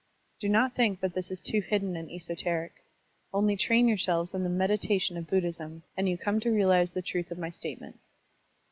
Do not think that this is too hidden and esoteric; only train yourselves in the meditation of Buddhism, and you come to realize the truth of my statement.